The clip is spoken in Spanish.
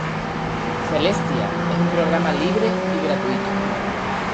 Celestia es un programa libre y gratuito.